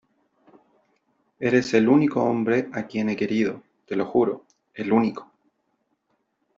eres el único hombre a quien he querido , te lo juro , el único ...